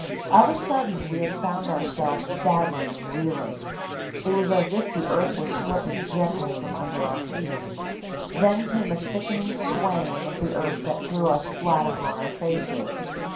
"Of a sudden we had found ourselves staggering and reeling. It was as if the earth was slipping gently from under our feet. Then came a sickening swaying of the earth that threw us flat upon our faces.